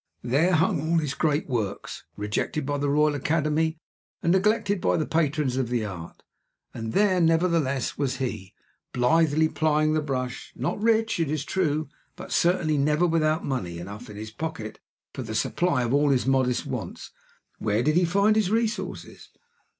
There hung all his great works, rejected by the Royal Academy, and neglected by the patrons of Art; and there, nevertheless, was he, blithely plying the brush; not rich, it is true, but certainly never without money enough in his pocket for the supply of all his modest wants. Where did he find his resources?